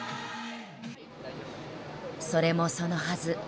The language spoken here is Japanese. それもそのはず。